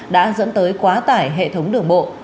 đã dẫn tới quá tải hệ thống đường bộ